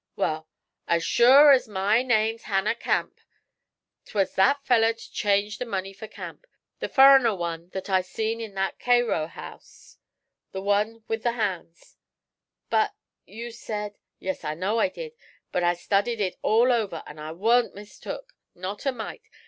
'Wal, as sure as my name's Hanner Camp, 'twas that feller 't changed the money fer Camp; the furriner one that I see in that Cayrow house; the one with the hands!' 'But you said ' 'Yes, I know I did; but I studied it all over, an' I wa'n't mistook, not a mite!